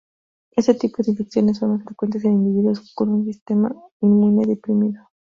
Este tipo de infecciones son más frecuentes en individuos con un sistema inmune deprimido.